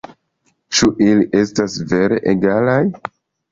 Ĉu ili estas vere egalaj?